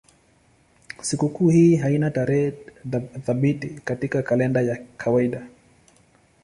Sikukuu hii haina tarehe thabiti katika kalenda ya kawaida.